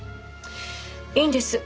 いいんです。